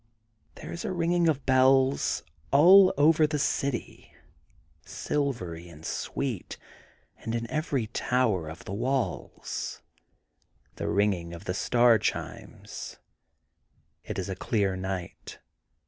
There is a ringing of bells all over the city, silvery and sweet, and in every tower of the walls: — the ringing of the star chimes. It is a clear night.